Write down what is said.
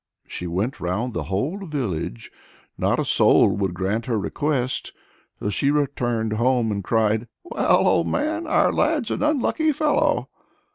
She went round the whole village; not a soul would grant her request. So she returned home and cried "Well, old man! our lad's an unlucky fellow!"